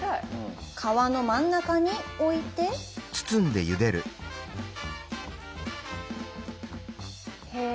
皮の真ん中に置いてへぇ。